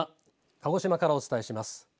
鹿児島からお伝えします。